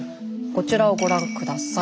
こちらをご覧下さい。